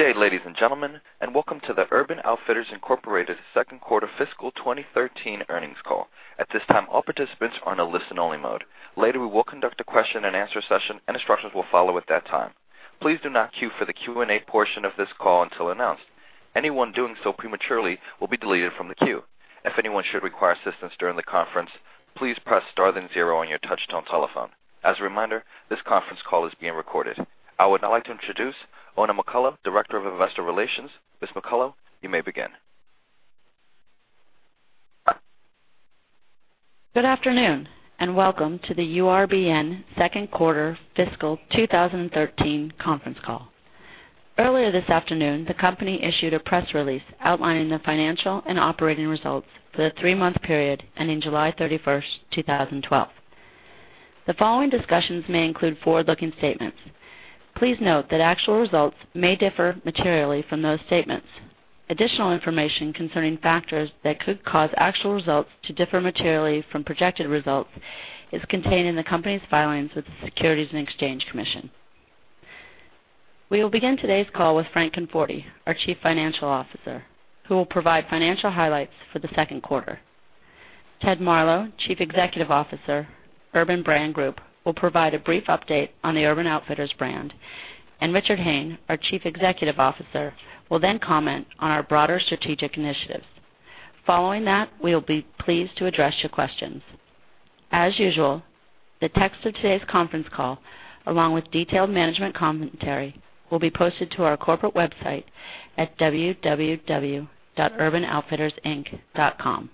Good day, ladies and gentlemen, and welcome to the Urban Outfitters, Inc. second quarter fiscal 2013 earnings call. At this time, all participants are on a listen only mode. Later, we will conduct a question and answer session, and instructions will follow at that time. Please do not queue for the Q&A portion of this call until announced. Anyone doing so prematurely will be deleted from the queue. If anyone should require assistance during the conference, please press star then zero on your touchtone telephone. As a reminder, this conference call is being recorded. I would now like to introduce Oona McCullough, Director of Investor Relations. Ms. McCullough, you may begin. Good afternoon, and welcome to the URBN second quarter fiscal 2013 conference call. Earlier this afternoon, the company issued a press release outlining the financial and operating results for the three-month period ending July 31, 2012. The following discussions may include forward-looking statements. Please note that actual results may differ materially from those statements. Additional information concerning factors that could cause actual results to differ materially from projected results is contained in the company's filings with the Securities and Exchange Commission. We will begin today's call with Frank Conforti, our Chief Financial Officer, who will provide financial highlights for the second quarter. Ted Marlow, Chief Executive Officer, Urban Outfitters Group, will provide a brief update on the Urban Outfitters brand. Richard Hayne, our Chief Executive Officer, will then comment on our broader strategic initiatives. Following that, we will be pleased to address your questions. As usual, the text of today's conference call, along with detailed management commentary, will be posted to our corporate website at www.urbanoutfittersinc.com.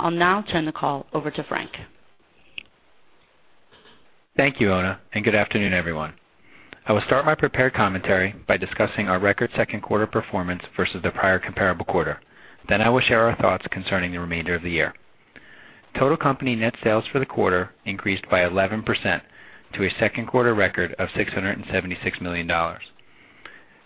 I'll now turn the call over to Frank. Thank you, Oona, and good afternoon, everyone. I will start my prepared commentary by discussing our record second quarter performance versus the prior comparable quarter. I will share our thoughts concerning the remainder of the year. Total company net sales for the quarter increased by 11% to a second quarter record of $676 million.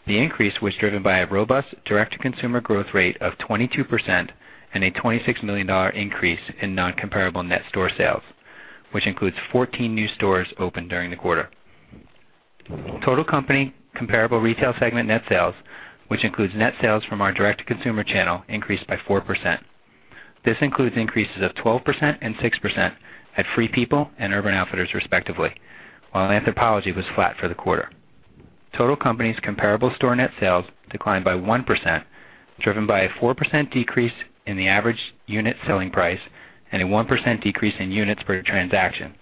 The increase was driven by a robust direct-to-consumer growth rate of 22% and a $26 million increase in non-comparable net store sales, which includes 14 new stores opened during the quarter. Total company comparable retail segment net sales, which includes net sales from our direct consumer channel, increased by 4%. This includes increases of 12% and 6% at Free People and Urban Outfitters, respectively, while Anthropologie was flat for the quarter. Total company's comparable store net sales declined by 1%, driven by a 4% decrease in the average unit selling price and a 1% decrease in units per transaction,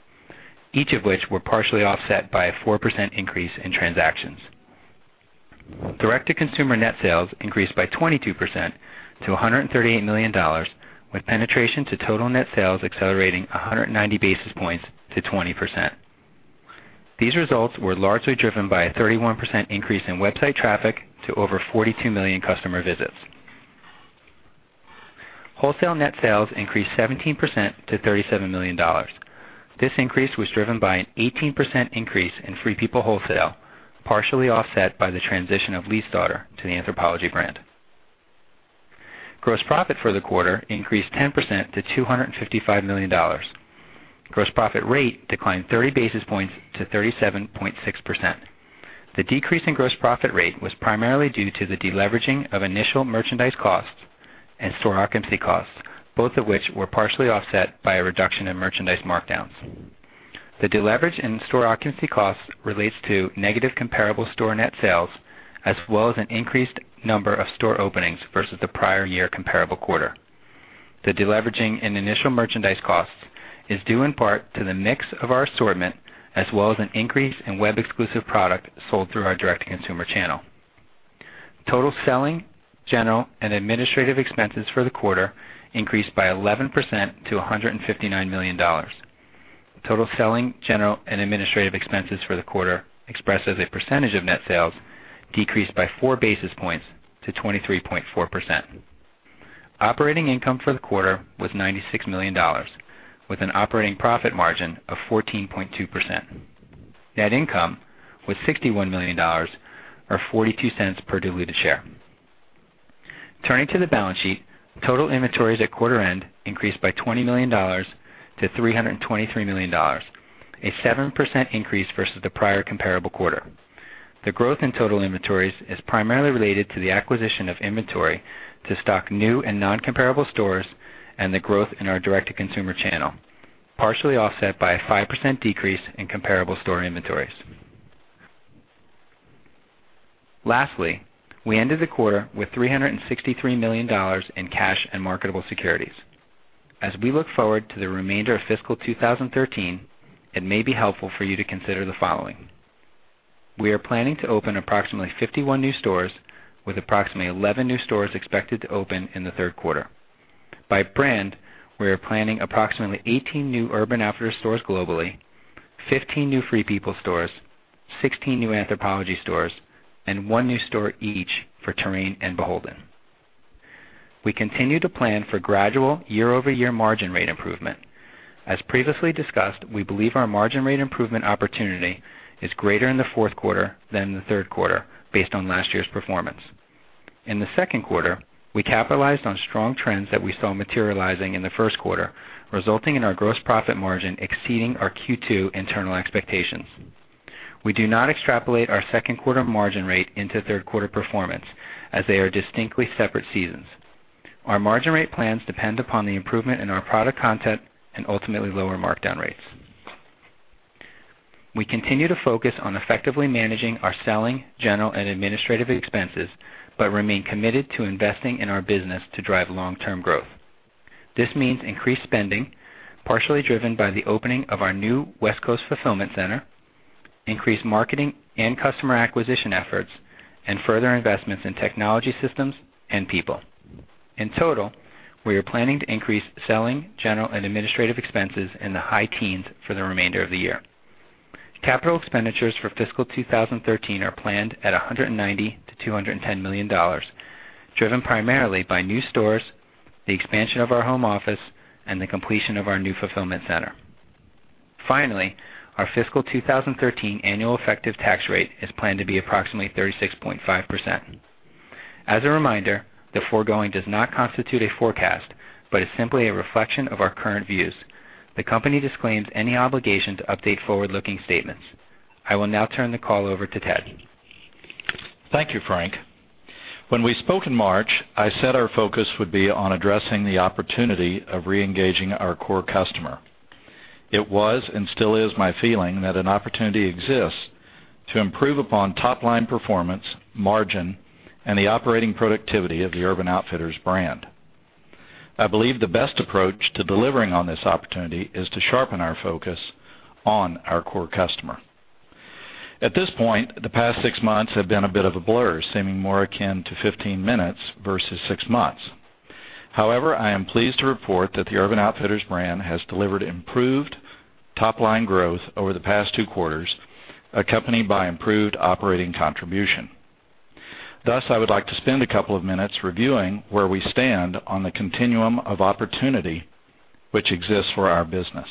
each of which were partially offset by a 4% increase in transactions. Direct-to-consumer net sales increased by 22% to $138 million, with penetration to total net sales accelerating 190 basis points to 20%. These results were largely driven by a 31% increase in website traffic to over 42 million customer visits. Wholesale net sales increased 17% to $37 million. This increase was driven by an 18% increase in Free People wholesale, partially offset by the transition of Leifsdottir to the Anthropologie brand. Gross profit for the quarter increased 10% to $255 million. Gross profit rate declined 30 basis points to 37.6%. The decrease in gross profit rate was primarily due to the deleveraging of initial merchandise costs and store occupancy costs, both of which were partially offset by a reduction in merchandise markdowns. The deleverage in store occupancy costs relates to negative comparable store net sales, as well as an increased number of store openings versus the prior year comparable quarter. The deleveraging in initial merchandise costs is due in part to the mix of our assortment, as well as an increase in web exclusive product sold through our direct-to-consumer channel. Total selling, general, and administrative expenses for the quarter increased by 11% to $159 million. Total selling, general, and administrative expenses for the quarter expressed as a percentage of net sales decreased by four basis points to 23.4%. Operating income for the quarter was $96 million, with an operating profit margin of 14.2%. Net income was $61 million, or $0.42 per diluted share. Turning to the balance sheet, total inventories at quarter end increased by $20 million to $323 million, a 7% increase versus the prior comparable quarter. The growth in total inventories is primarily related to the acquisition of inventory to stock new and non-comparable stores and the growth in our direct-to-consumer channel, partially offset by a 5% decrease in comparable store inventories. Lastly, we ended the quarter with $363 million in cash and marketable securities. As we look forward to the remainder of fiscal 2013, it may be helpful for you to consider the following. We are planning to open approximately 51 new stores with approximately 11 new stores expected to open in the third quarter. By brand, we are planning approximately 18 new Urban Outfitters stores globally, 15 new Free People stores, 16 new Anthropologie stores, and one new store each for Terrain and BHLDN. We continue to plan for gradual year-over-year margin rate improvement. As previously discussed, we believe our margin rate improvement opportunity is greater in the fourth quarter than the third quarter based on last year's performance. In the second quarter, we capitalized on strong trends that we saw materializing in the first quarter, resulting in our gross profit margin exceeding our Q2 internal expectations. We do not extrapolate our second quarter margin rate into third quarter performance as they are distinctly separate seasons. Our margin rate plans depend upon the improvement in our product content and ultimately lower markdown rates. We continue to focus on effectively managing our selling, general, and administrative expenses, but remain committed to investing in our business to drive long-term growth. This means increased spending, partially driven by the opening of our new West Coast fulfillment center, increased marketing and customer acquisition efforts, and further investments in technology systems and people. In total, we are planning to increase selling, general, and administrative expenses in the high teens for the remainder of the year. Capital expenditures for fiscal 2013 are planned at $190 million-$210 million, driven primarily by new stores, the expansion of our home office, and the completion of our new fulfillment center. Finally, our fiscal 2013 annual effective tax rate is planned to be approximately 36.5%. As a reminder, the foregoing does not constitute a forecast, but is simply a reflection of our current views. The company disclaims any obligation to update forward-looking statements. I will now turn the call over to Ted. Thank you, Frank. When we spoke in March, I said our focus would be on addressing the opportunity of reengaging our core customer. It was and still is my feeling that an opportunity exists to improve upon top-line performance, margin, and the operating productivity of the Urban Outfitters brand. I believe the best approach to delivering on this opportunity is to sharpen our focus on our core customer. At this point, the past six months have been a bit of a blur, seeming more akin to 15 minutes versus six months. However, I am pleased to report that the Urban Outfitters brand has delivered improved top-line growth over the past two quarters, accompanied by improved operating contribution. Thus, I would like to spend a couple of minutes reviewing where we stand on the continuum of opportunity which exists for our business.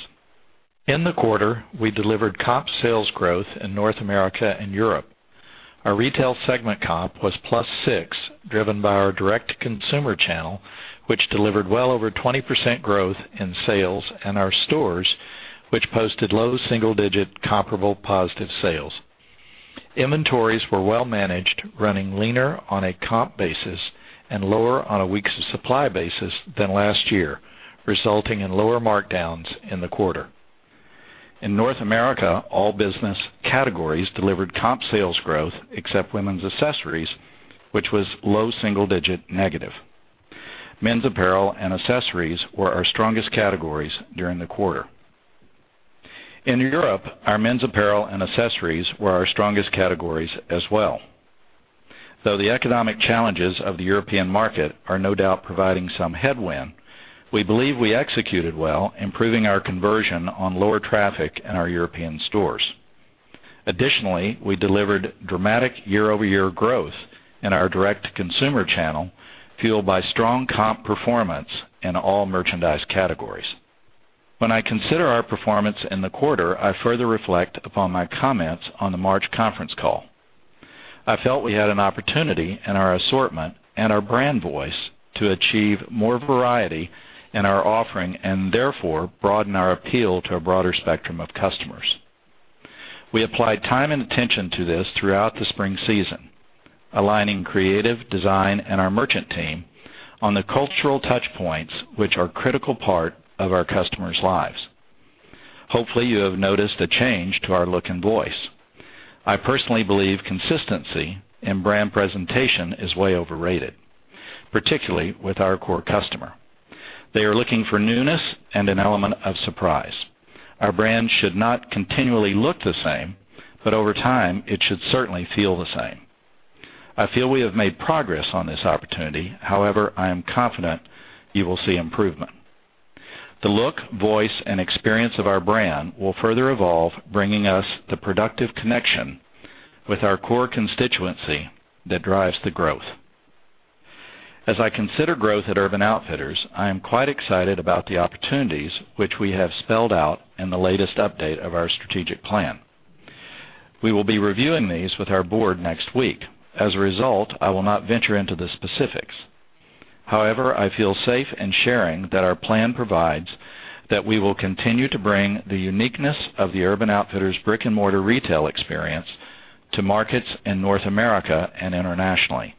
In the quarter, we delivered comp sales growth in North America and Europe. Our retail segment comp was plus six, driven by our direct-to-consumer channel, which delivered well over 20% growth in sales in our stores, which posted low single-digit comparable positive sales. Inventories were well managed, running leaner on a comp basis and lower on a weeks supply basis than last year, resulting in lower markdowns in the quarter. In North America, all business categories delivered comp sales growth except women's accessories, which was low single digit negative. Men's apparel and accessories were our strongest categories during the quarter. In Europe, our men's apparel and accessories were our strongest categories as well. Though the economic challenges of the European market are no doubt providing some headwind, we believe we executed well, improving our conversion on lower traffic in our European stores. Additionally, we delivered dramatic year-over-year growth in our direct-to-consumer channel, fueled by strong comp performance in all merchandise categories. When I consider our performance in the quarter, I further reflect upon my comments on the March conference call. I felt we had an opportunity in our assortment and our brand voice to achieve more variety in our offering and therefore broaden our appeal to a broader spectrum of customers. We applied time and attention to this throughout the spring season, aligning creative, design, and our merchant team on the cultural touch points which are a critical part of our customers' lives. Hopefully, you have noticed a change to our look and voice. I personally believe consistency in brand presentation is way overrated, particularly with our core customer. They are looking for newness and an element of surprise. Our brand should not continually look the same, over time, it should certainly feel the same. I feel we have made progress on this opportunity. I am confident you will see improvement. The look, voice, and experience of our brand will further evolve, bringing us the productive connection with our core constituency that drives the growth. As I consider growth at Urban Outfitters, I am quite excited about the opportunities which we have spelled out in the latest update of our strategic plan. We will be reviewing these with our board next week. I will not venture into the specifics. I feel safe in sharing that our plan provides that we will continue to bring the uniqueness of the Urban Outfitters brick-and-mortar retail experience to markets in North America and internationally.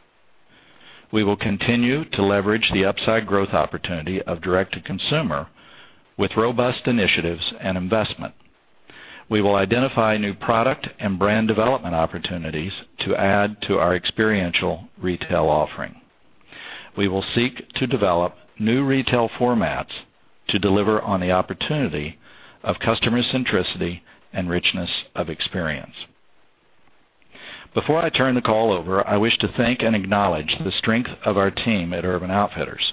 We will continue to leverage the upside growth opportunity of direct-to-consumer with robust initiatives and investment. We will identify new product and brand development opportunities to add to our experiential retail offering. We will seek to develop new retail formats to deliver on the opportunity of customer centricity and richness of experience. Before I turn the call over, I wish to thank and acknowledge the strength of our team at Urban Outfitters.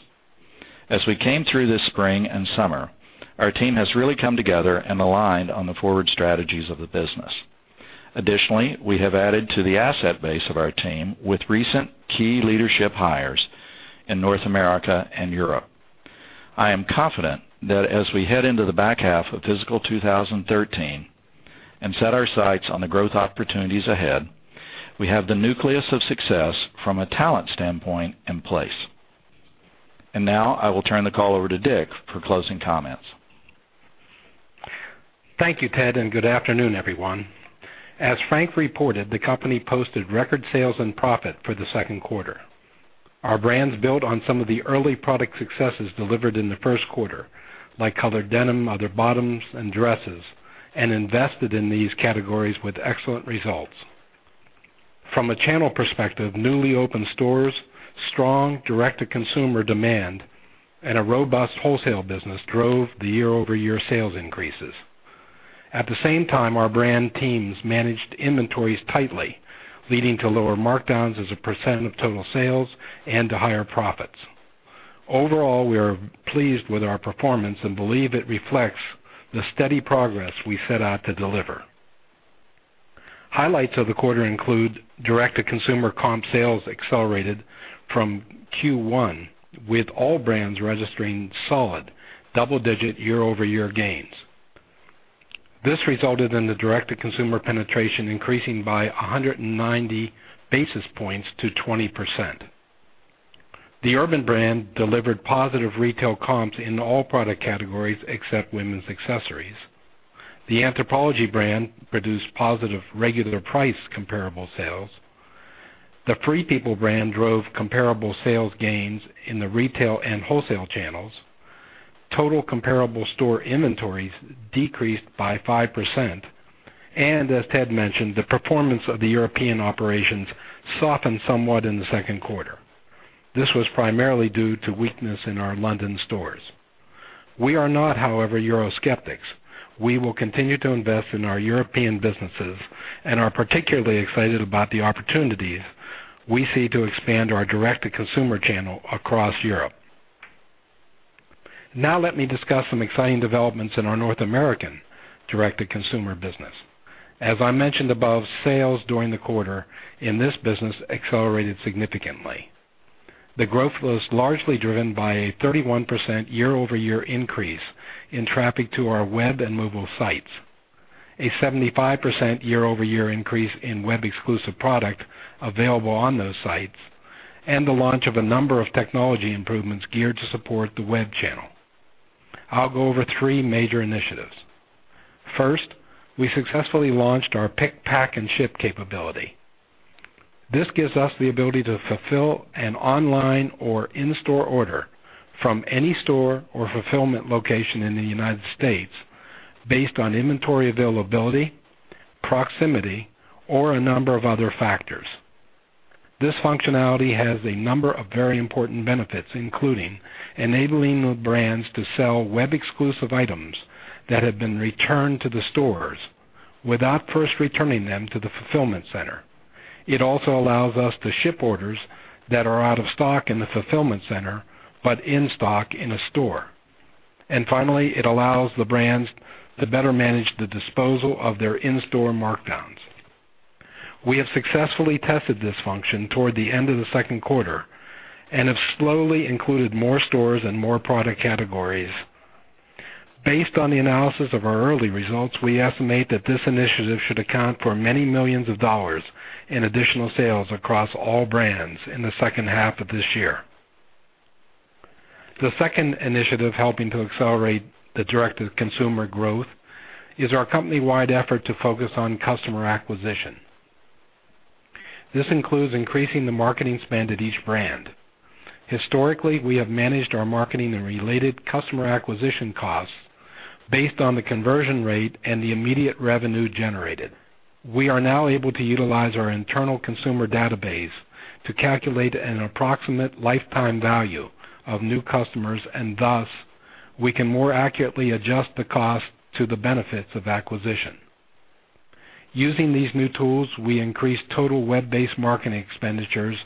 As we came through this spring and summer, our team has really come together and aligned on the forward strategies of the business. We have added to the asset base of our team with recent key leadership hires in North America and Europe. I am confident that as we head into the back half of fiscal 2013 and set our sights on the growth opportunities ahead, we have the nucleus of success from a talent standpoint in place. Now I will turn the call over to Dick for closing comments. Thank you, Ted, and good afternoon, everyone. As Frank reported, the company posted record sales and profit for the second quarter. Our brands built on some of the early product successes delivered in the first quarter, like colored denim, other bottoms, and dresses, and invested in these categories with excellent results. From a channel perspective, newly opened stores, strong direct-to-consumer demand, and a robust wholesale business drove the year-over-year sales increases. At the same time, our brand teams managed inventories tightly, leading to lower markdowns as a percent of total sales and to higher profits. Overall, we are pleased with our performance and believe it reflects the steady progress we set out to deliver. Highlights of the quarter include direct-to-consumer comp sales accelerated from Q1, with all brands registering solid double-digit year-over-year gains. This resulted in the direct-to-consumer penetration increasing by 190 basis points to 20%. The Urban brand delivered positive retail comps in all product categories except women's accessories. The Anthropologie brand produced positive regular price comparable sales. The Free People brand drove comparable sales gains in the retail and wholesale channels. Total comparable store inventories decreased by 5%. As Ted mentioned, the performance of the European operations softened somewhat in the second quarter. This was primarily due to weakness in our London stores. We are not, however, Euro skeptics. We will continue to invest in our European businesses and are particularly excited about the opportunities we see to expand our direct-to-consumer channel across Europe. Let me discuss some exciting developments in our North American direct-to-consumer business. As I mentioned above, sales during the quarter in this business accelerated significantly. The growth was largely driven by a 31% year-over-year increase in traffic to our web and mobile sites, a 75% year-over-year increase in web-exclusive product available on those sites, and the launch of a number of technology improvements geared to support the web channel. I'll go over three major initiatives. First, we successfully launched our pick, pack, and ship capability. This gives us the ability to fulfill an online or in-store order from any store or fulfillment location in the U.S. based on inventory availability, proximity, or a number of other factors. This functionality has a number of very important benefits, including enabling the brands to sell web-exclusive items that have been returned to the stores without first returning them to the fulfillment center. It also allows us to ship orders that are out of stock in the fulfillment center, but in stock in a store. Finally, it allows the brands to better manage the disposal of their in-store markdowns. We have successfully tested this function toward the end of the second quarter and have slowly included more stores and more product categories. Based on the analysis of our early results, we estimate that this initiative should account for many millions of dollars in additional sales across all brands in the second half of this year. The second initiative helping to accelerate the direct-to-consumer growth is our company-wide effort to focus on customer acquisition. This includes increasing the marketing spend at each brand. Historically, we have managed our marketing and related customer acquisition costs based on the conversion rate and the immediate revenue generated. We are now able to utilize our internal consumer database to calculate an approximate lifetime value of new customers, and thus, we can more accurately adjust the cost to the benefits of acquisition. Using these new tools, we increased total web-based marketing expenditures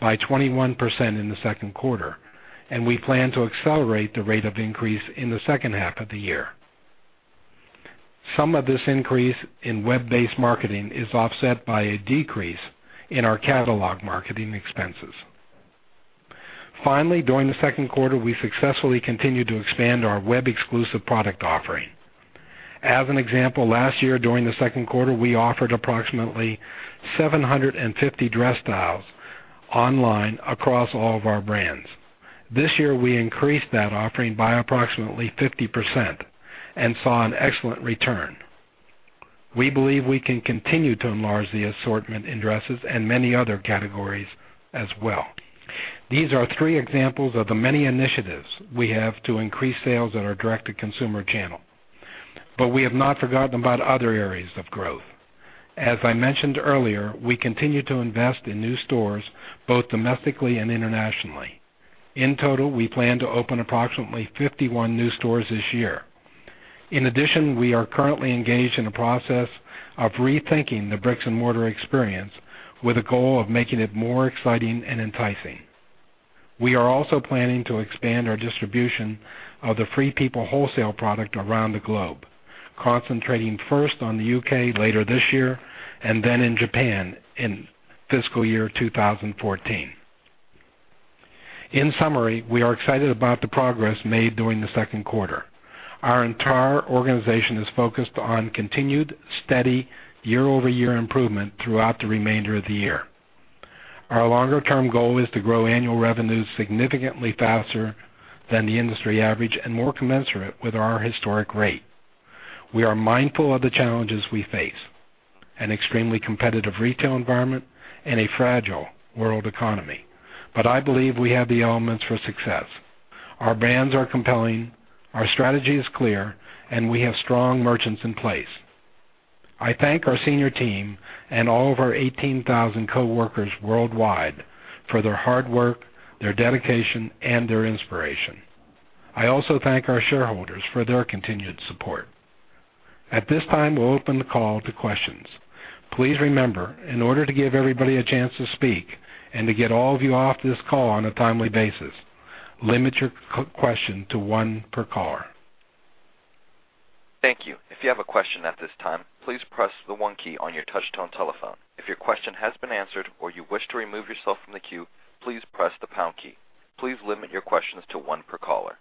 by 21% in the second quarter, and we plan to accelerate the rate of increase in the second half of the year. Some of this increase in web-based marketing is offset by a decrease in our catalog marketing expenses. Finally, during the second quarter, we successfully continued to expand our web-exclusive product offering. As an example, last year during the second quarter, we offered approximately 750 dress styles online across all of our brands. This year, we increased that offering by approximately 50% and saw an excellent return. We believe we can continue to enlarge the assortment in dresses and many other categories as well. These are three examples of the many initiatives we have to increase sales at our direct-to-consumer channel. We have not forgotten about other areas of growth. As I mentioned earlier, we continue to invest in new stores, both domestically and internationally. In total, we plan to open approximately 51 new stores this year. In addition, we are currently engaged in a process of rethinking the bricks-and-mortar experience with a goal of making it more exciting and enticing. We are also planning to expand our distribution of the Free People wholesale product around the globe, concentrating first on the U.K. later this year and then in Japan in Fiscal year 2014. In summary, we are excited about the progress made during the second quarter. Our entire organization is focused on continued, steady year-over-year improvement throughout the remainder of the year. Our longer-term goal is to grow annual revenues significantly faster than the industry average and more commensurate with our historic rate. We are mindful of the challenges we face: an extremely competitive retail environment and a fragile world economy. I believe we have the elements for success. Our brands are compelling, our strategy is clear, and we have strong merchants in place. I thank our senior team and all of our 18,000 coworkers worldwide for their hard work, their dedication, and their inspiration. I also thank our shareholders for their continued support. At this time, we will open the call to questions. Please remember, in order to give everybody a chance to speak and to get all of you off this call on a timely basis, limit your question to one per caller. Thank you. If you have a question at this time, please press the one key on your touch-tone telephone. If your question has been answered, or you wish to remove yourself from the queue, please press the pound key. Please limit your questions to one per caller.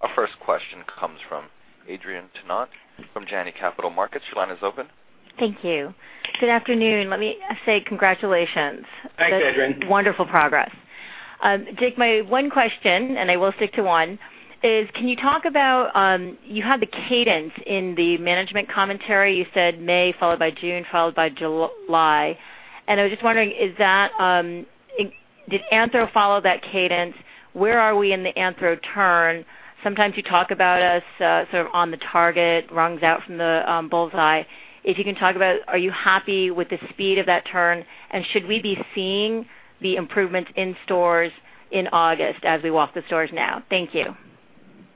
Our first question comes from Adrienne Tennant from Janney Capital Markets. Your line is open. Thank you. Good afternoon. Let me say congratulations. Thanks, Adrienne. Wonderful progress. Dick, my one question, and I will stick to one, is can you talk about You had the cadence in the management commentary. You said May followed by June, followed by July. I was just wondering, did Anthro follow that cadence? Where are we in the Anthro turn? Sometimes you talk about us sort of on the target, rungs out from the bullseye. If you can talk about, are you happy with the speed of that turn, and should we be seeing the improvements in stores in August as we walk the stores now? Thank you.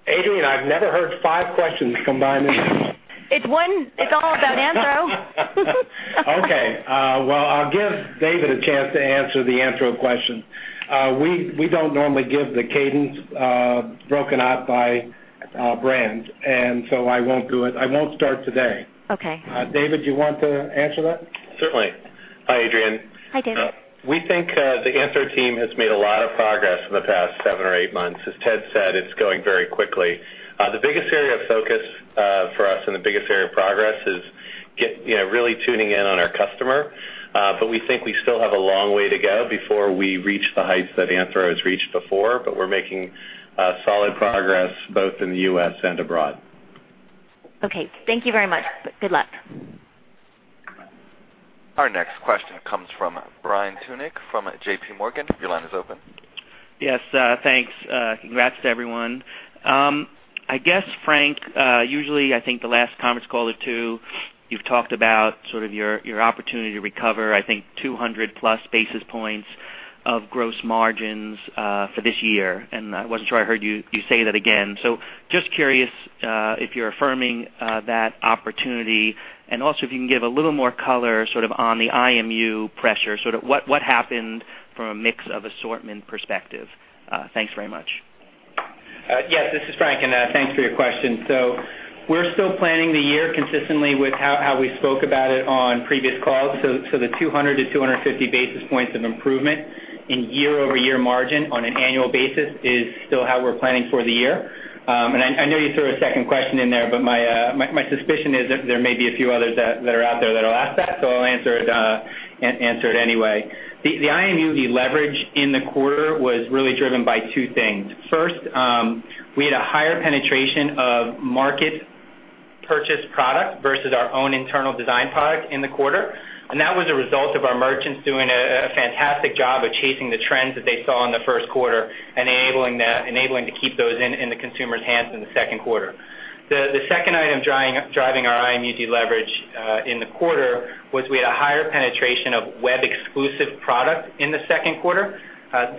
Adrienne, I've never heard five questions combined in one. It's one. It's all about Anthropologie. I'll give David a chance to answer the Anthro question. We don't normally give the cadence broken out by brand. I won't do it. I won't start today. Okay. David, do you want to answer that? Certainly. Hi, Adrienne. Hi, David. We think the Anthro team has made a lot of progress in the past seven or eight months. As Ted said, it's going very quickly. The biggest area of focus for us and the biggest area of progress is really tuning in on our customer. We think we still have a long way to go before we reach the heights that Anthro has reached before, we're making solid progress both in the U.S. and abroad. Okay. Thank you very much. Good luck. Our next question comes from Brian Tunick from JPMorgan. Your line is open. Yes, thanks. Congrats to everyone. I guess, Frank, usually I think the last conference call or two, you've talked about sort of your opportunity to recover, I think, 200-plus basis points of gross margins for this year. I wasn't sure I heard you say that again. Just curious if you're affirming that opportunity and also if you can give a little more color sort of on the IMU pressure, sort of what happened from a mix of assortment perspective. Thanks very much. Yes, this is Frank, and thanks for your question. We're still planning the year consistently with how we spoke about it on previous calls. The 200 to 250 basis points of improvement in year-over-year margin on an annual basis is still how we're planning for the year. I know you threw a second question in there, but my suspicion is that there may be a few others that are out there that'll ask that, so I'll answer it anyway. The IMU deleverage in the quarter was really driven by two things. First, we had a higher penetration of market-purchased product versus our own internal design product in the quarter, and that was a result of our merchants doing a fantastic job of chasing the trends that they saw in the first quarter, enabling to keep those in the consumers' hands in the second quarter. The second item driving our IMU deleverage in the quarter was we had a higher penetration of web-exclusive product in the second quarter.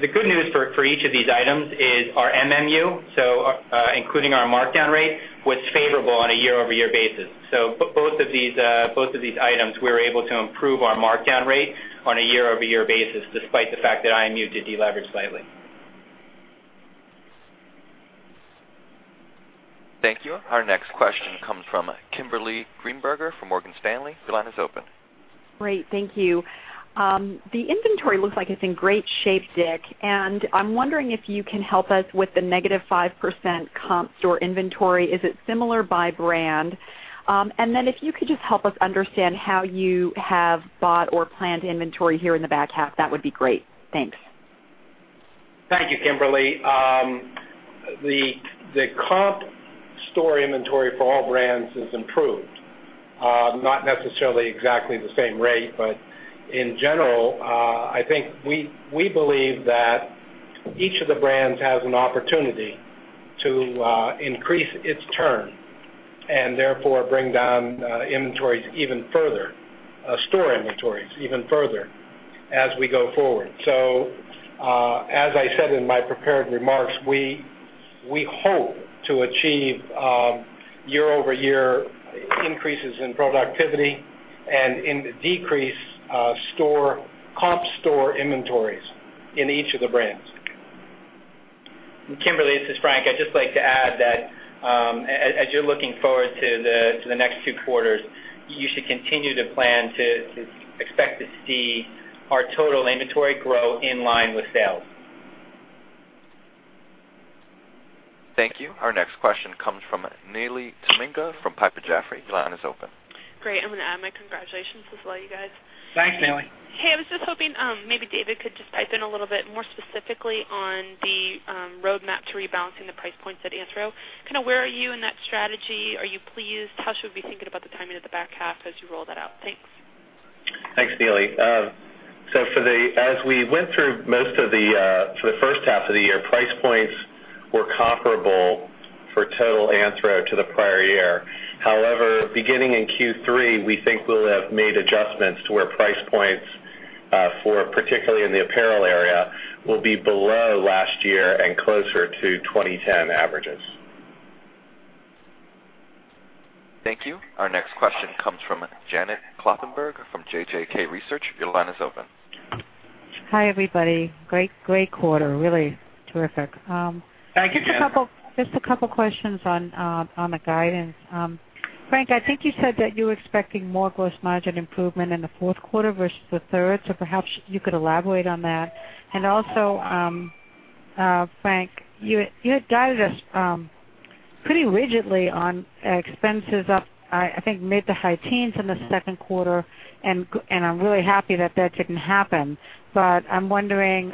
The good news for each of these items is our MMU, so including our markdown rate, was favorable on a year-over-year basis. Both of these items, we were able to improve our markdown rate on a year-over-year basis, despite the fact that IMU did deleverage slightly. Thank you. Our next question comes from Kimberly Greenberger from Morgan Stanley. Your line is open. Great. Thank you. The inventory looks like it's in great shape, Dick, I'm wondering if you can help us with the negative 5% comp store inventory. Is it similar by brand? If you could just help us understand how you have bought or planned inventory here in the back half, that would be great. Thanks. Thank you, Kimberly. The comp store inventory for all brands has improved. Not necessarily exactly the same rate, in general, I think we believe that each of the brands has an opportunity to increase its turn and therefore bring down inventories even further, store inventories even further as we go forward. As I said in my prepared remarks, we hope to achieve year-over-year increases in productivity and decrease comp store inventories in each of the brands. Kimberly, this is Frank. I'd just like to add that as you're looking forward to the next two quarters, you should continue to plan to expect to see our total inventory grow in line with sales. Thank you. Our next question comes from Neely Tamminga from Piper Jaffray. Your line is open. Great. I'm going to add my congratulations as well, you guys. Thanks, Neely. Hey, I was just hoping maybe David could just pipe in a little bit more specifically on the roadmap to rebalancing the price points at Anthro. Where are you in that strategy? Are you pleased? How should we be thinking about the timing of the back half as you roll that out? Thanks. Thanks, Neely. As we went through most of the first half of the year, price points were comparable for total Anthropologie to the prior year. However, beginning in Q3, we think we'll have made adjustments to where price points for, particularly in the apparel area, will be below last year and closer to 2010 averages. Thank you. Our next question comes from Janet Kloppenburg from JJK Research. Your line is open. Hi, everybody. Great quarter. Really terrific. Thank you, Janet. Just a couple of questions on the guidance. Frank, I think you said that you were expecting more gross margin improvement in the fourth quarter versus the third, so perhaps you could elaborate on that. Also, Frank, you had guided us pretty rigidly on expenses up, I think, mid to high teens in the second quarter, and I'm really happy that that didn't happen. I'm wondering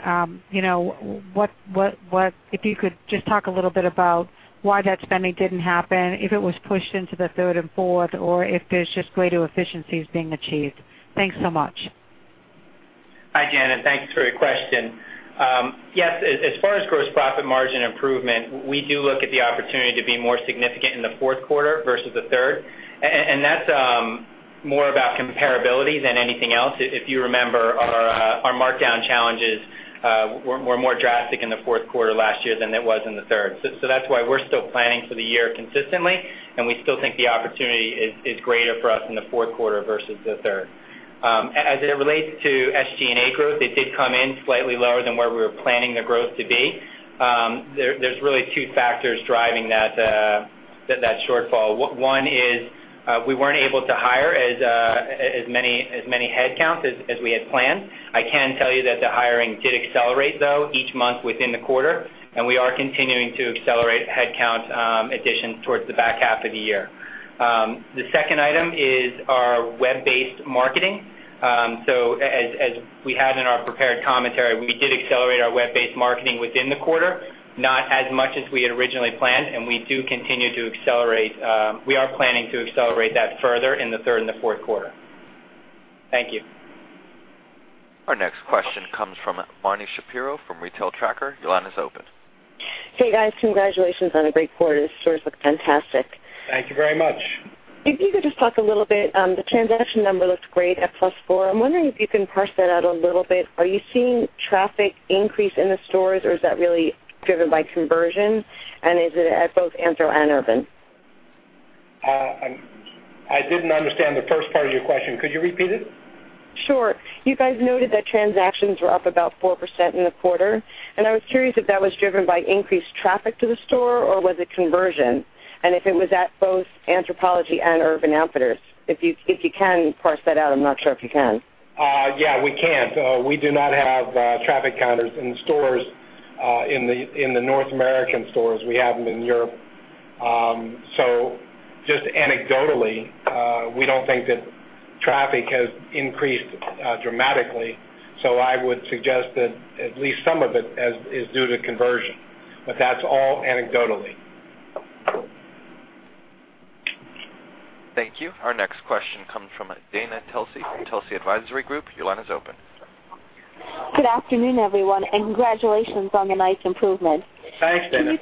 if you could just talk a little bit about why that spending didn't happen, if it was pushed into the third and fourth, or if there's just greater efficiencies being achieved. Thanks so much. Hi, Janet. Thanks for your question. Yes, as far as gross profit margin improvement, we do look at the opportunity to be more significant in the fourth quarter versus the third, and that's more about comparability than anything else. If you remember, our markdown challenges were more drastic in the fourth quarter last year than it was in the third. That's why we're still planning for the year consistently, and we still think the opportunity is greater for us in the fourth quarter versus the third. As it relates to SGA growth, it did come in slightly lower than where we were planning the growth to be. There's really two factors driving that shortfall. One is we weren't able to hire as many headcounts as we had planned. I can tell you that the hiring did accelerate, though, each month within the quarter, and we are continuing to accelerate headcount additions towards the back half of the year. The second item is our web-based marketing. As we had in our prepared commentary, we did accelerate our web-based marketing within the quarter, not as much as we had originally planned, and we are planning to accelerate that further in the third and the fourth quarter. Thank you. Our next question comes from Marni Shapiro from Retail Tracker. Your line is open. Hey, guys. Congratulations on a great quarter. The stores look fantastic. Thank you very much. If you could just talk a little bit, the transaction number looks great at +4%. I'm wondering if you can parse that out a little bit. Are you seeing traffic increase in the stores, or is that really driven by conversion? Is it at both Anthropologie and Urban? I didn't understand the first part of your question. Could you repeat it? Sure. You guys noted that transactions were up about 4% in the quarter, and I was curious if that was driven by increased traffic to the store, or was it conversion? If it was at both Anthropologie and Urban Outfitters. If you can parse that out, I'm not sure if you can. Yeah, we can't. We do not have traffic counters in the North American stores. We have them in Europe. Just anecdotally, we don't think that traffic has increased dramatically. I would suggest that at least some of it is due to conversion, but that's all anecdotally. Thank you. Our next question comes from Dana Telsey from Telsey Advisory Group. Your line is open. Good afternoon, everyone, and congratulations on the nice improvement. Thanks, Dana.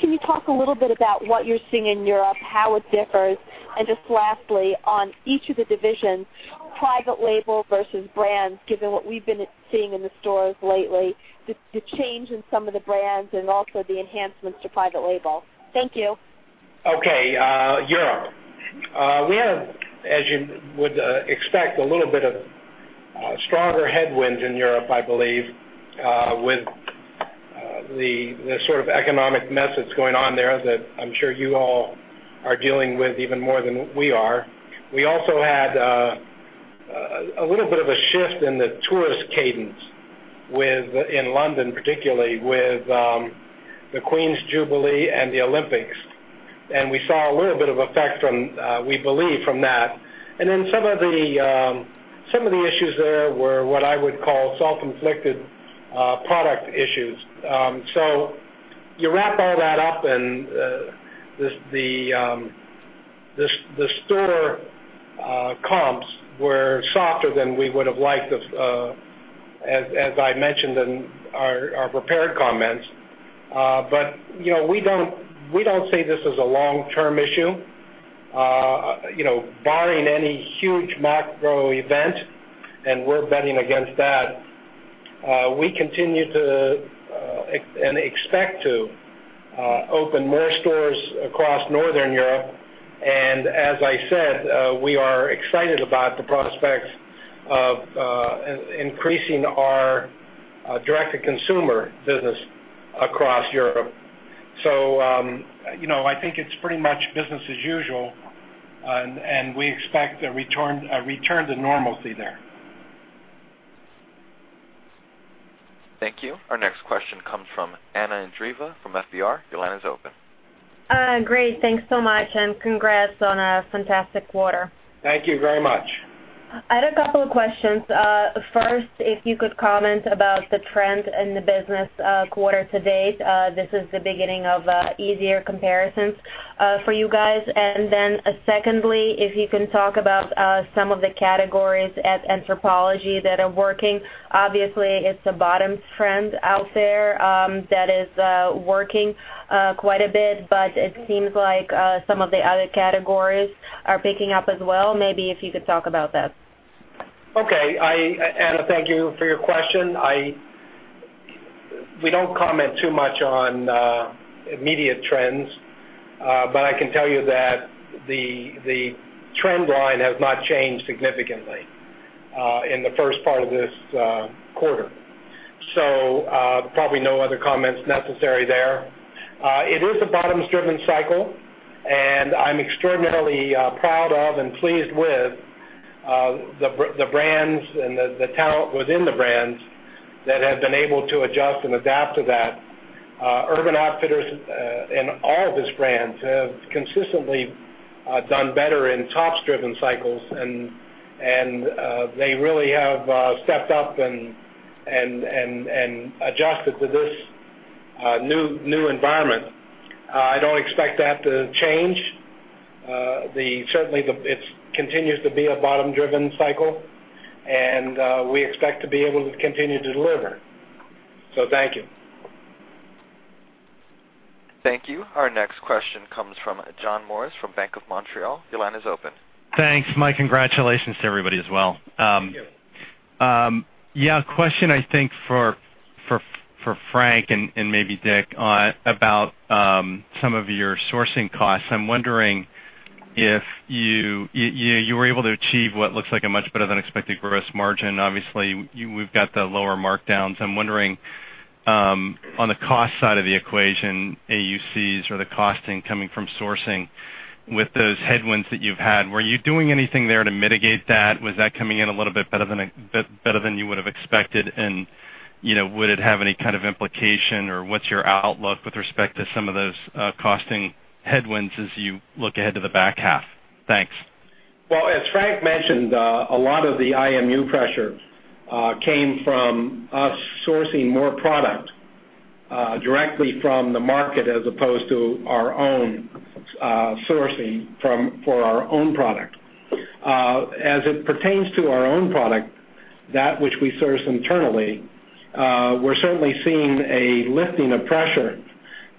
Can you talk a little bit about what you're seeing in Europe, how it differs, and just lastly, on each of the divisions, private label versus brands, given what we've been seeing in the stores lately, the change in some of the brands and also the enhancements to private label. Thank you. Okay. Europe. We have, as you would expect, a little bit of stronger headwinds in Europe, I believe, with the sort of economic mess that's going on there that I'm sure you all are dealing with even more than we are. We also had a little bit of a shift in the tourist cadence in London, particularly with the Queen's Jubilee and the Olympics, and we saw a little bit of effect, we believe, from that. Some of the issues there were what I would call self-inflicted product issues. You wrap all that up, and the store comps were softer than we would have liked, as I mentioned in our prepared comments. We don't see this as a long-term issue. Barring any huge macro event, we're betting against that, we continue to and expect to Open more stores across Northern Europe. As I said, we are excited about the prospects of increasing our direct-to-consumer business across Europe. I think it's pretty much business as usual, and we expect a return to normalcy there. Thank you. Our next question comes from Anna Andreeva from FBR. Your line is open. Great. Thanks so much, and congrats on a fantastic quarter. Thank you very much. I had a couple of questions. First, if you could comment about the trend in the business quarter to date. This is the beginning of easier comparisons for you guys. Secondly, if you can talk about some of the categories at Anthropologie that are working. Obviously, it's a bottoms trend out there that is working quite a bit, but it seems like some of the other categories are picking up as well. Maybe if you could talk about that. Okay. Anna, thank you for your question. We don't comment too much on immediate trends, but I can tell you that the trend line has not changed significantly in the first part of this quarter. Probably no other comments necessary there. It is a bottoms-driven cycle, and I'm extraordinarily proud of and pleased with the brands and the talent within the brands that have been able to adjust and adapt to that. Urban Outfitters and all of its brands have consistently done better in tops-driven cycles, and they really have stepped up and adjusted to this new environment. I don't expect that to change. Certainly, it continues to be a bottom-driven cycle, and we expect to be able to continue to deliver. Thank you. Thank you. Our next question comes from John Morris from Bank of Montreal. Your line is open. Thanks, Mike. Congratulations to everybody as well. Thank you. Yeah. A question, I think, for Frank and maybe Dick about some of your sourcing costs. I'm wondering if you were able to achieve what looks like a much better than expected gross margin. Obviously, we've got the lower markdowns. I'm wondering on the cost side of the equation, AUCs or the costing coming from sourcing with those headwinds that you've had. Were you doing anything there to mitigate that? Was that coming in a little bit better than you would have expected? Would it have any kind of implication, or what's your outlook with respect to some of those costing headwinds as you look ahead to the back half? Thanks. As Frank mentioned, a lot of the IMU pressure came from us sourcing more product directly from the market as opposed to our own sourcing for our own product. As it pertains to our own product, that which we source internally, we're certainly seeing a lifting of pressure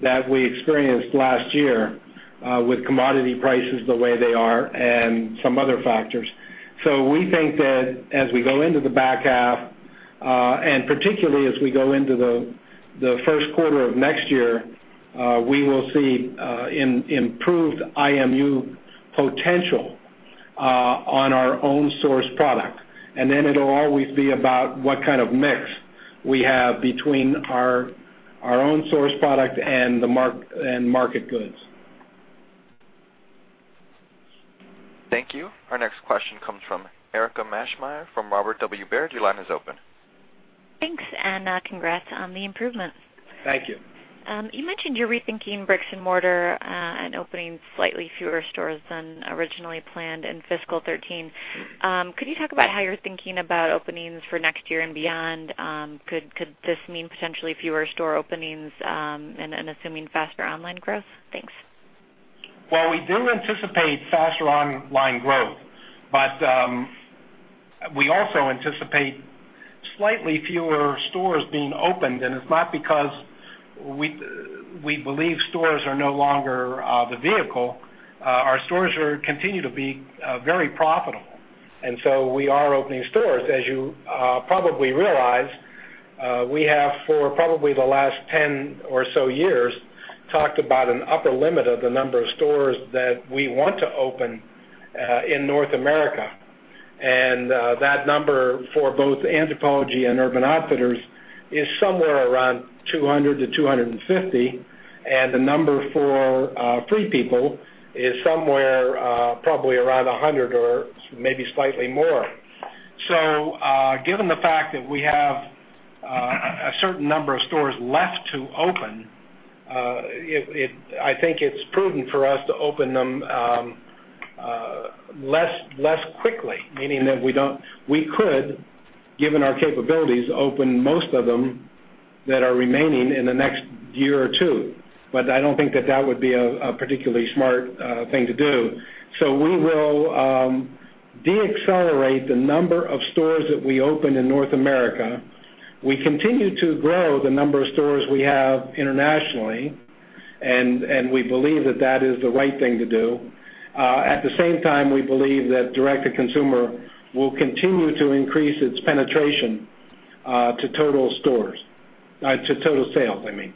that we experienced last year with commodity prices the way they are and some other factors. We think that as we go into the back half, and particularly as we go into the first quarter of next year, we will see improved IMU potential on our own source product. Then it'll always be about what kind of mix we have between our own source product and market goods. Thank you. Our next question comes from Erika Maschmeyer from Robert W. Baird. Your line is open. Thanks, congrats on the improvements. Thank you. You mentioned you're rethinking bricks and mortar and opening slightly fewer stores than originally planned in fiscal 2013. Could you talk about how you're thinking about openings for next year and beyond? Could this mean potentially fewer store openings and assuming faster online growth? Thanks. We do anticipate faster online growth. We also anticipate slightly fewer stores being opened. It's not because we believe stores are no longer the vehicle. Our stores continue to be very profitable. We are opening stores. As you probably realize, we have, for probably the last 10 or so years, talked about an upper limit of the number of stores that we want to open in North America. That number for both Anthropologie and Urban Outfitters is somewhere around 200-250, and the number for Free People is somewhere probably around 100 or maybe slightly more. Given the fact that we have a certain number of stores left to open, I think it's prudent for us to open them less quickly, meaning that we could, given our capabilities, open most of them that are remaining in the next year or two. I don't think that that would be a particularly smart thing to do. We will deaccelerate the number of stores that we open in North America. We continue to grow the number of stores we have internationally, and we believe that that is the right thing to do. At the same time, we believe that direct to consumer will continue to increase its penetration to total sales, I mean.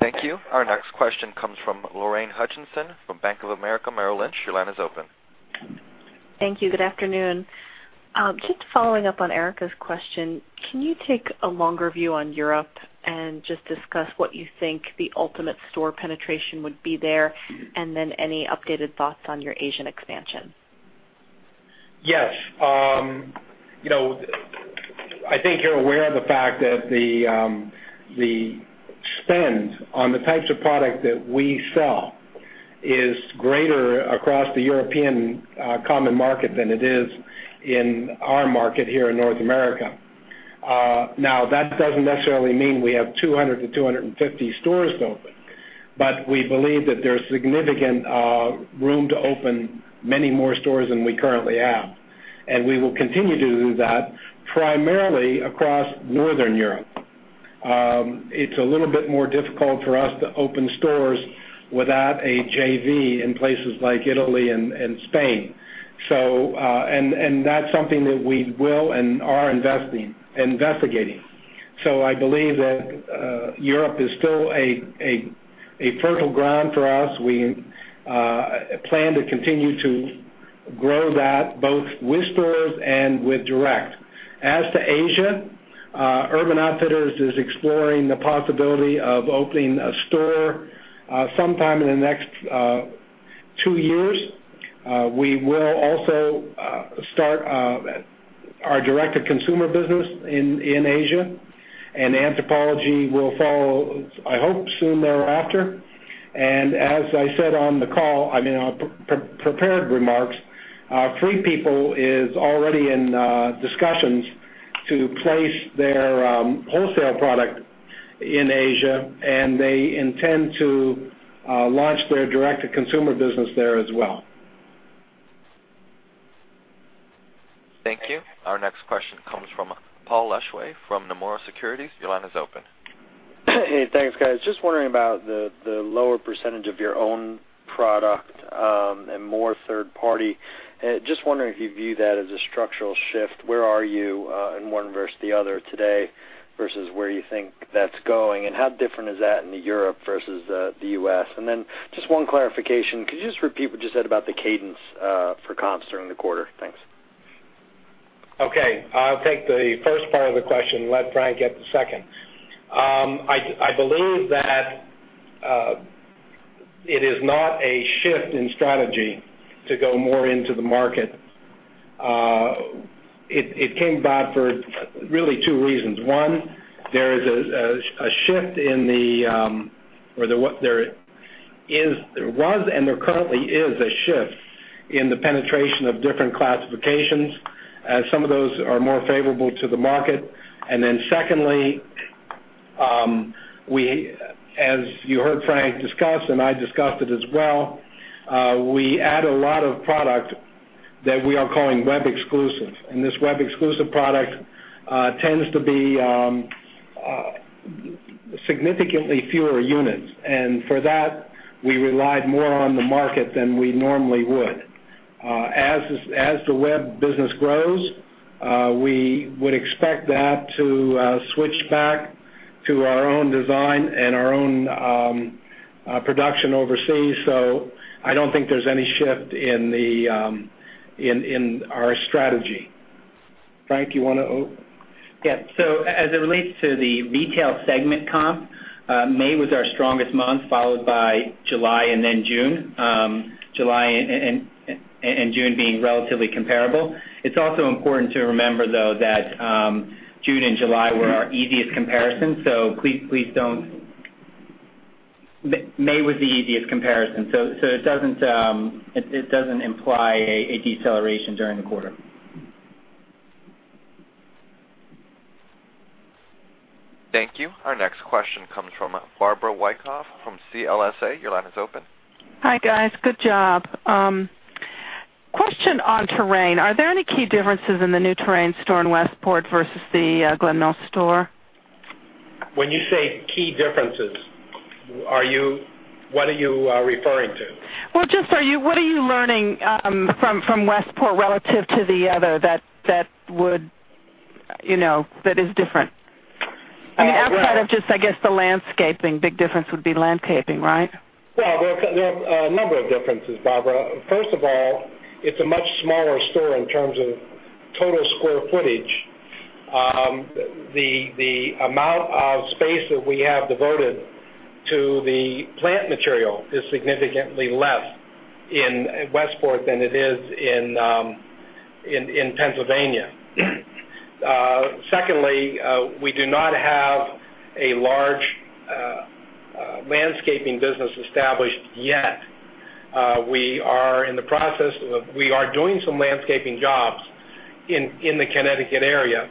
Thank you. Our next question comes from Lorraine Hutchinson from Bank of America Merrill Lynch. Your line is open. Thank you. Good afternoon. Just following up on Erika's question, can you take a longer view on Europe and just discuss what you think the ultimate store penetration would be there, and then any updated thoughts on your Asian expansion? Yes. I think you're aware of the fact that the spend on the types of product that we sell is greater across the European Common Market than it is in our market here in North America. That doesn't necessarily mean we have 200-250 stores to open, but we believe that there's significant room to open many more stores than we currently have. We will continue to do that primarily across Northern Europe. It's a little bit more difficult for us to open stores without a JV in places like Italy and Spain. That's something that we will and are investigating. I believe that Europe is still a fertile ground for us. We plan to continue to grow that both with stores and with direct. As to Asia, Urban Outfitters is exploring the possibility of opening a store sometime in the next two years. We will also start our direct-to-consumer business in Asia, and Anthropologie will follow, I hope, soon thereafter. As I said on the call, I mean, on prepared remarks, Free People is already in discussions to place their wholesale product in Asia, and they intend to launch their direct-to-consumer business there as well. Thank you. Our next question comes from Paul Lejuez from Nomura Securities. Your line is open. Hey, thanks, guys. Just wondering about the lower percentage of your own product, and more third party. Just wondering if you view that as a structural shift. Where are you, in one versus the other today, versus where you think that's going, and how different is that in the Europe versus the U.S.? Just one clarification. Could you just repeat what you said about the cadence for comps during the quarter? Thanks. Okay. I'll take the first part of the question and let Frank get the second. I believe that it is not a shift in strategy to go more into the market. It came about for really two reasons. One, there was and there currently is a shift in the penetration of different classifications. Some of those are more favorable to the market. Secondly, as you heard Frank discuss, and I discussed it as well, we add a lot of product that we are calling web exclusives. This web-exclusive product tends to be significantly fewer units. For that, we relied more on the market than we normally would. As the web business grows, we would expect that to switch back to our own design and our own production overseas. I don't think there's any shift in our strategy. Frank, you want to Yeah. As it relates to the retail segment comp, May was our strongest month, followed by July and then June. July and June being relatively comparable. It's also important to remember, though, that June and July were our easiest comparisons. May was the easiest comparison. It doesn't imply a deceleration during the quarter. Thank you. Our next question comes from Barbara Wyckoff from CLSA. Your line is open. Hi, guys. Good job. Question on Terrain. Are there any key differences in the new Terrain store in Westport versus the Glen Mills store? When you say key differences, what are you referring to? Well, just what are you learning from Westport relative to the other that is different? I mean, outside of just, I guess, the landscaping. Big difference would be landscaping, right? Well, there are a number of differences, Barbara. First of all, it's a much smaller store in terms of total square footage. The amount of space that we have devoted to the plant material is significantly less in Westport than it is in Pennsylvania. Secondly, we do not have a large landscaping business established yet. We are doing some landscaping jobs in the Connecticut area,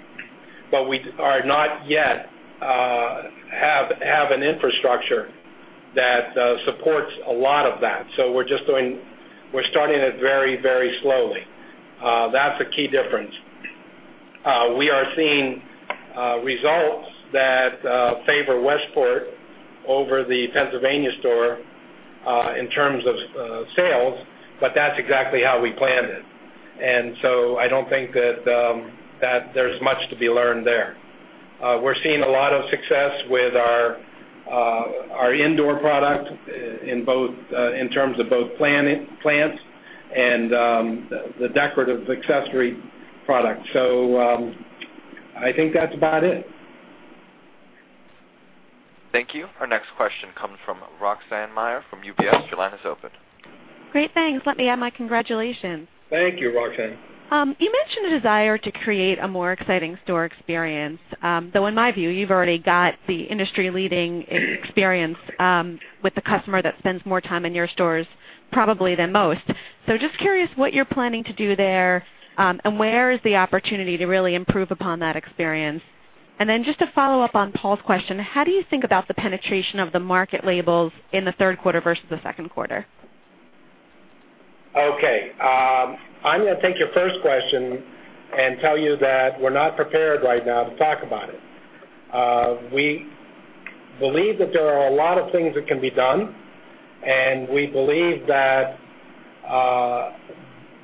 but we are not yet have an infrastructure that supports a lot of that. We're starting it very slowly. That's a key difference. We are seeing results that favor Westport over the Pennsylvania store in terms of sales, but that's exactly how we planned it. I don't think that there's much to be learned there. We're seeing a lot of success with our indoor product in terms of both plants and the decorative accessory product. I think that's about it. Thank you. Our next question comes from Roxanne Meyer from UBS. Your line is open. Great. Thanks. Let me add my congratulations. Thank you, Roxanne. You mentioned the desire to create a more exciting store experience, though in my view, you've already got the industry-leading experience with the customer that spends more time in your stores, probably than most. Just curious what you're planning to do there, and where is the opportunity to really improve upon that experience? Just to follow up on Paul's question, how do you think about the penetration of the market labels in the third quarter versus the second quarter? Okay. I'm going to take your first question and tell you that we're not prepared right now to talk about it. We believe that there are a lot of things that can be done, and we believe that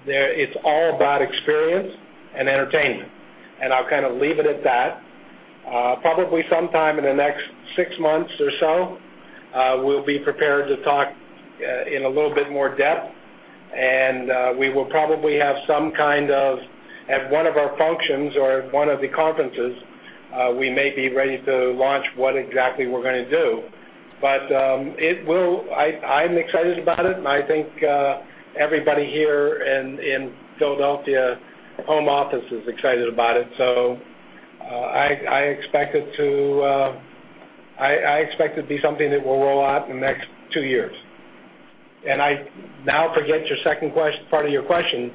it's all about experience and entertainment. I'll kind of leave it at that. Probably sometime in the next six months or so, we'll be prepared to talk in a little bit more depth, and we will probably have some kind of, at one of our functions or at one of the conferences, we may be ready to launch what exactly we're going to do. I'm excited about it and I think everybody here in Philadelphia home office is excited about it. I expect it to be something that will roll out in the next two years. I now forget your second part of your question.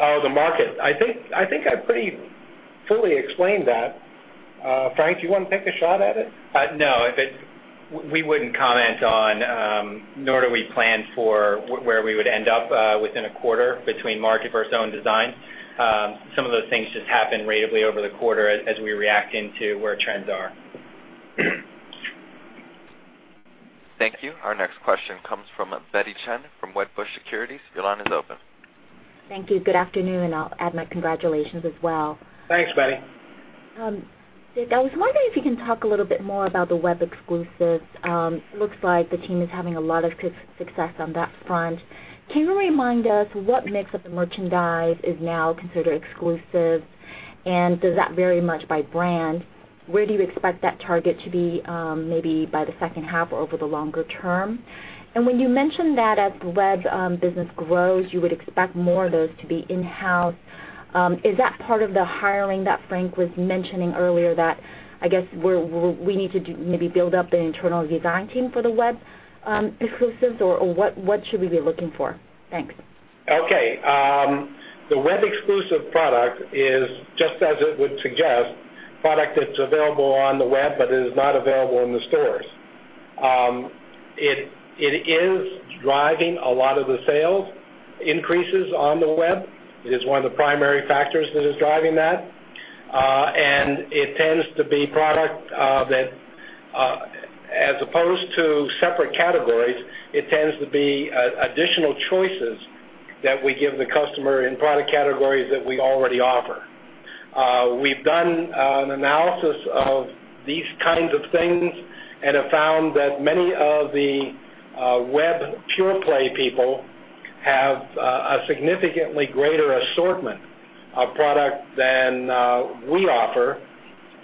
Oh, the market. I think I pretty fully explained that. Frank, do you want to take a shot at it? No. We wouldn't comment on, nor do we plan for where we would end up within a quarter between market versus own design. Some of those things just happen ratably over the quarter as we react into where trends are. Thank you. Our next question comes from Betty Chen from Wedbush Securities. Your line is open. Thank you. Good afternoon. I'll add my congratulations as well. Thanks, Betty. Dick, I was wondering if you can talk a little bit more about the web exclusives. It looks like the team is having a lot of success on that front. Can you remind us what mix of the merchandise is now considered exclusive, and does that vary much by brand? Where do you expect that target to be, maybe by the second half or over the longer term? When you mentioned that as the web business grows, you would expect more of those to be in-house. Is that part of the hiring that Frank was mentioning earlier that, I guess, we need to maybe build up the internal design team for the web exclusives, or what should we be looking for? Thanks. Okay. The web exclusive product is, just as it would suggest, product that's available on the web but is not available in the stores. It is driving a lot of the sales increases on the web. It is one of the primary factors that is driving that. It tends to be product that, as opposed to separate categories, it tends to be additional choices that we give the customer in product categories that we already offer. We've done an analysis of these kinds of things and have found that many of the web pure-play people have a significantly greater assortment of product than we offer,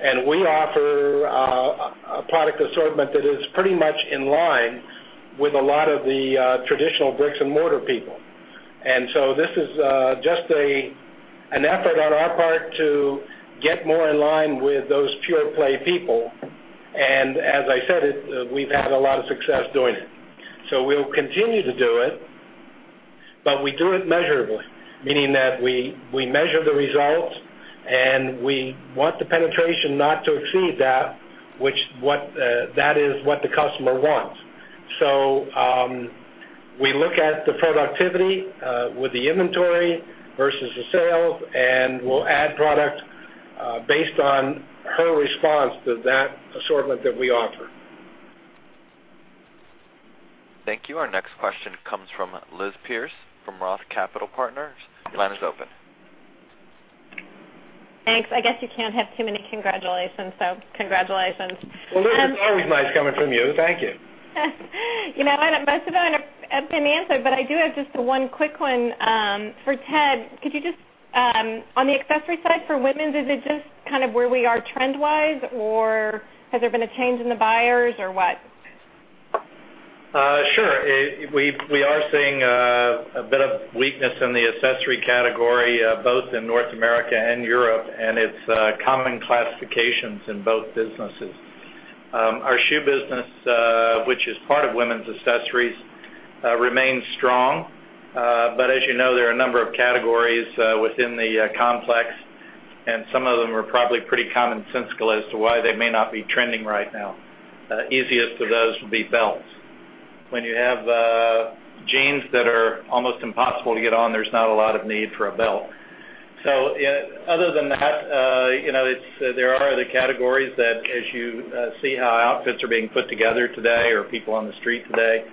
and we offer a product assortment that is pretty much in line with a lot of the traditional bricks and mortar people. This is just an effort on our part to get more in line with those pure-play people, and as I said it, we've had a lot of success doing it. We'll continue to do it, but we do it measurably, meaning that we measure the results, and we want the penetration not to exceed that. That is what the customer wants. We look at the productivity with the inventory versus the sales, and we'll add product based on her response to that assortment that we offer. Thank you. Our next question comes from Liz Pierce from Roth Capital Partners. Your line is open. Thanks. I guess you can't have too many congratulations, so congratulations. Liz, it's always nice coming from you. Thank you. Most of them have been answered, I do have just one quick one for Ted. On the accessory side for women's, is it just kind of where we are trend-wise, or has there been a change in the buyers or what? Sure. We are seeing a bit of weakness in the accessory category, both in North America and Europe, and it's common classifications in both businesses. Our shoe business, which is part of women's accessories, remains strong. As you know, there are a number of categories within the complex, and some of them are probably pretty commonsensical as to why they may not be trending right now. Easiest of those would be belts. When you have Jeans that are almost impossible to get on, there's not a lot of need for a belt. Other than that, there are the categories that, as you see how outfits are being put together today, or people on the street today,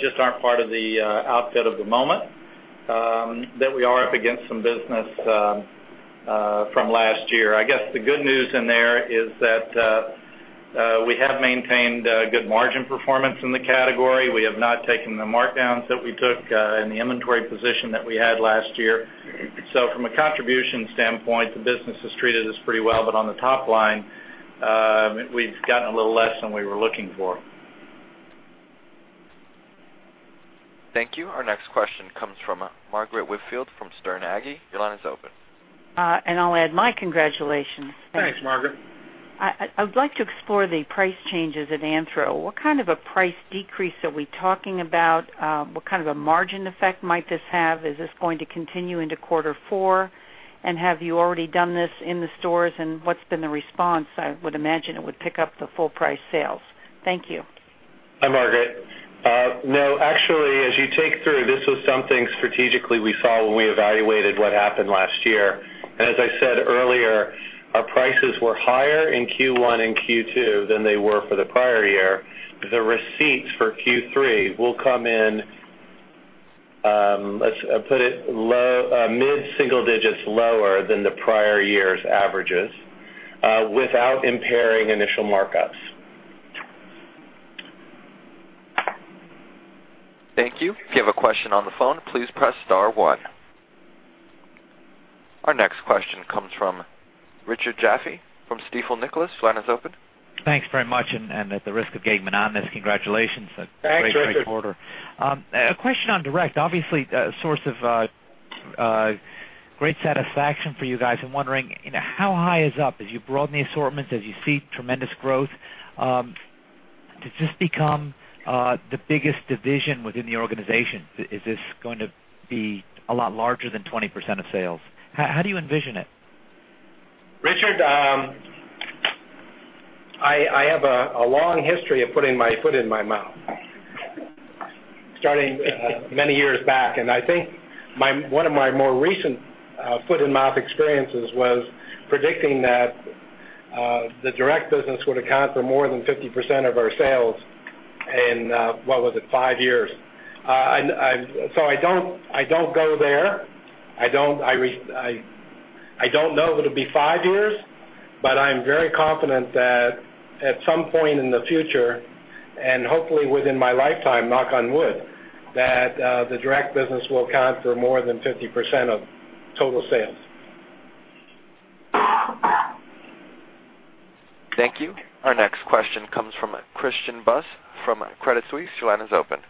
just aren't part of the outfit of the moment, that we are up against some business from last year. I guess the good news in there is that we have maintained good margin performance in the category. We have not taken the markdowns that we took and the inventory position that we had last year. From a contribution standpoint, the business has treated us pretty well. On the top line, we've gotten a little less than we were looking for. Thank you. Our next question comes from Margaret Whitfield from Sterne Agee. Your line is open. I'll add my congratulations. Thanks, Margaret. I would like to explore the price changes at Anthropologie. What kind of a price decrease are we talking about? What kind of a margin effect might this have? Is this going to continue into quarter four? Have you already done this in the stores, and what's been the response? I would imagine it would pick up the full price sales. Thank you. Hi, Margaret. No, actually, as you take through, this was something strategically we saw when we evaluated what happened last year. As I said earlier, our prices were higher in Q1 and Q2 than they were for the prior year. The receipts for Q3 will come in, let's put it mid-single digits, lower than the prior year's averages, without impairing initial markups. Thank you. If you have a question on the phone, please press star one. Our next question comes from Richard Jaffe from Stifel Nicolaus. Your line is open. Thanks very much. At the risk of getting monotonous, congratulations. Thanks, Richard. A great quarter. A question on direct, obviously, a source of great satisfaction for you guys. I'm wondering how high is up as you broaden the assortment, as you see tremendous growth. Does this become the biggest division within the organization? Is this going to be a lot larger than 20% of sales? How do you envision it? Richard, I have a long history of putting my foot in my mouth, starting many years back, and I think one of my more recent foot-in-mouth experiences was predicting that the direct business would account for more than 50% of our sales in, what was it, five years? I don't go there. I don't know whether it'll be five years, but I'm very confident that at some point in the future, and hopefully within my lifetime, knock on wood, that the direct business will account for more than 50% of total sales. Thank you. Our next question comes from Christian Buss from Credit Suisse. Your line is open.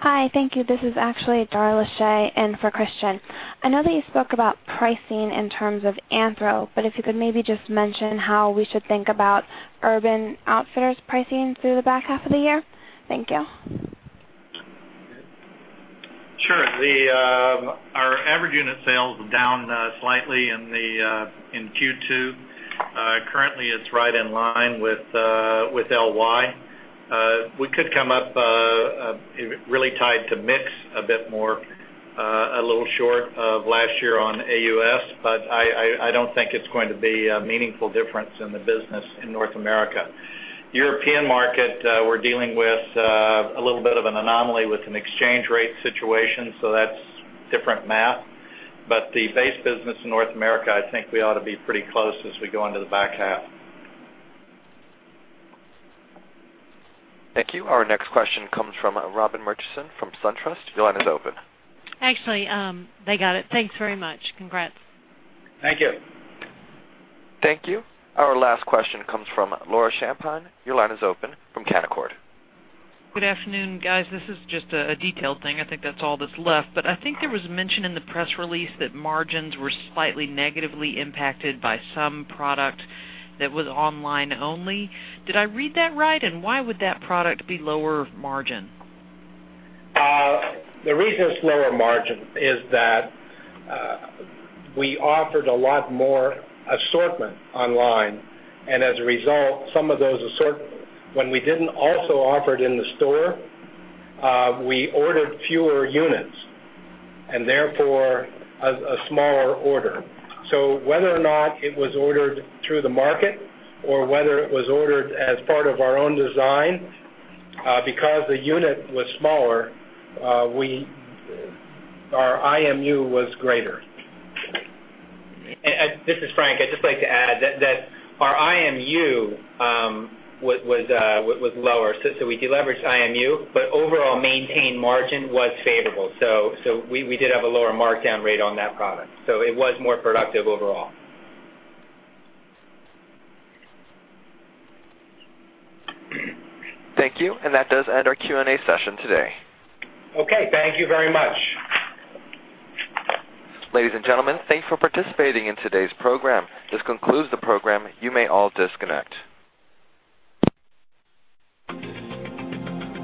Hi. Thank you. This is actually Carla Shey in for Christian. I know that you spoke about pricing in terms of Anthro, if you could maybe just mention how we should think about Urban Outfitters pricing through the back half of the year. Thank you. Sure. Our average unit sales were down slightly in Q2. Currently, it's right in line with L.Y. We could come up really tied to mix a bit more, a little short of last year on AUS, I don't think it's going to be a meaningful difference in the business in North America. European market, we're dealing with a little bit of an anomaly with an exchange rate situation, so that's different math. The base business in North America, I think we ought to be pretty close as we go into the back half. Thank you. Our next question comes from Robin Murchison from SunTrust. Your line is open. Actually, they got it. Thanks very much. Congrats. Thank you. Thank you. Our last question comes from Laura Champine. Your line is open from Canaccord. Good afternoon, guys. This is just a detail thing. I think that's all that's left. I think there was mention in the press release that margins were slightly negatively impacted by some product that was online only. Did I read that right, and why would that product be lower margin? The reason it's lower margin is that we offered a lot more assortment online, and as a result, some of those assortment, when we didn't also offer it in the store, we ordered fewer units and therefore a smaller order. Whether or not it was ordered through the market or whether it was ordered as part of our own design, because the unit was smaller, our IMU was greater. This is Frank. I'd just like to add that our IMU was lower. We deleveraged IMU, but overall maintained margin was favorable. We did have a lower markdown rate on that product, so it was more productive overall. Thank you. That does end our Q&A session today. Okay. Thank you very much. Ladies and gentlemen, thanks for participating in today's program. This concludes the program. You may all disconnect.